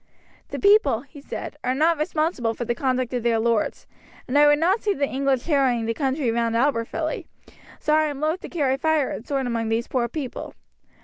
"The people," he said, "are not responsible for the conduct of their lords, and as I would not see the English harrying the country round Aberfilly, so I am loath to carry fire and sword among these poor people.